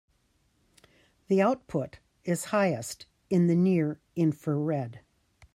The output is highest in the near infrared.